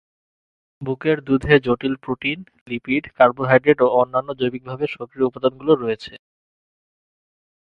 বুকের দুধে জটিল প্রোটিন, লিপিড, কার্বোহাইড্রেট এবং অন্যান্য জৈবিকভাবে সক্রিয় উপাদানগুলো রয়েছে।